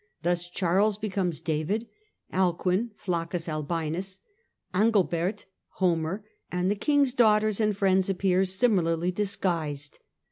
Thus Charles becomes David ; Alcuin, Flaccus Albinus ; Angilbert, Homer ; and the king's daughters and friends appear similarly disguised.